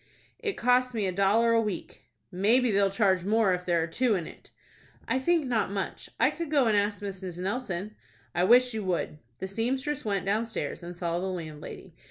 "It costs me a dollar a week." "Maybe they'll charge more if there are two in it." "I think not much. I could go and ask Mrs. Nelson." "I wish you would." The seamstress went downstairs, and saw the landlady.